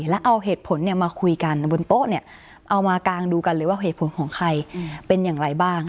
แล้วเอาเหตุผลมาคุยกันบนโต๊ะเนี่ยเอามากางดูกันเลยว่าเหตุผลของใครเป็นอย่างไรบ้าง